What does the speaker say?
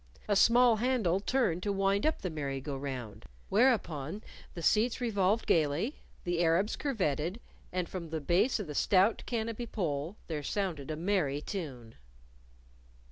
A small handle turned to wind up the merry go round. Whereupon the seats revolved gayly, the Arabs curvetted; and from the base of the stout canopy pole there sounded a merry tune.